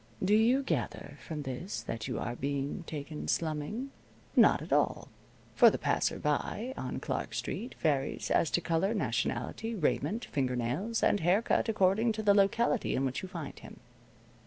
Do you gather from this that you are being taken slumming? Not at all. For the passer by on Clark Street varies as to color, nationality, raiment, finger nails, and hair cut according to the locality in which you find him.